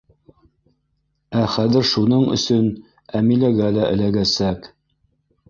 Ә хәҙер шуның өсөн Әмиләгә лә эләгәсәк.